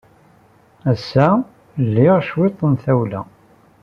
Ass-a, liɣ cwiṭ n tawla.